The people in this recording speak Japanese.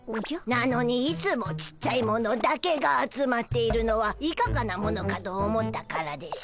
なのにいつもちっちゃいものだけが集まっているのはいかがなものかと思ったからでしゅ。